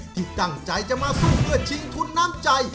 ที่ตั้งใจจะมาสู้เพื่อชิงทุนน้ำใจ